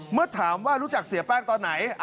เมื่อถามว่ารู้จักเสียแป้งตอนไหน